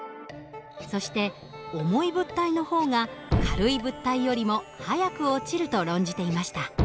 そして重い物体の方が軽い物体よりも早く落ちると論じていました。